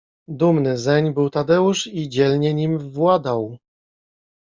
Dumny zeń był Tadeusz i dzielnie nim władał.